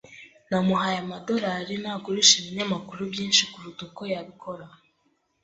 Namuhaye amadorari nagurisha ibinyamakuru byinshi kuruta uko yabikora.